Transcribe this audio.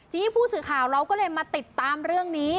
ทีนี้ผู้สื่อข่าวเราก็เลยมาติดตามเรื่องนี้